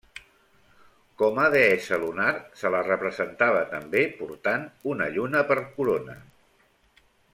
Com a deessa lunar se la representava també portant una lluna per corona.